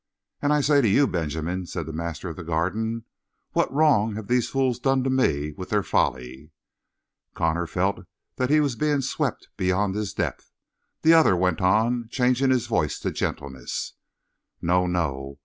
"And I say to you, Benjamin," said the master of the Garden: "what wrong have these fools done to me with their folly?" Connor felt that he was being swept beyond his depth. The other went on, changing his voice to gentleness: "No, no!